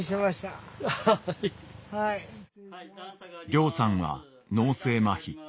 りょうさんは脳性まひ。